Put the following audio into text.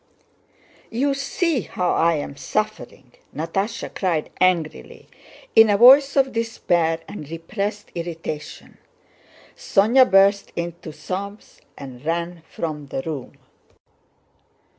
You see how I am suffering!" Natásha cried angrily, in a voice of despair and repressed irritation. Sónya burst into sobs and ran from the room.